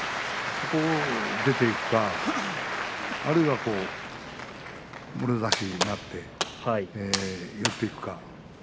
そこを出ていくかあるいはもろ差しになって寄っていくか。